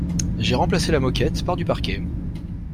J'ai remplacé la moquette par du parquet.